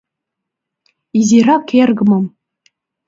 — Изирак эргымым!